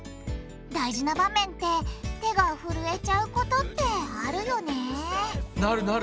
大事な場面って手がふるえちゃうことってあるよねなるなる！